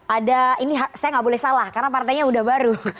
ada ini saya nggak boleh salah karena partainya udah baru